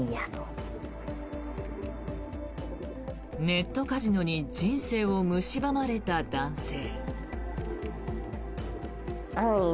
ネットカジノに人生をむしばまれた男性。